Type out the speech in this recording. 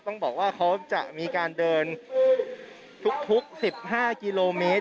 ต้องบอกว่าเขาจะมีการเดินทุก๑๕กิโลเมตร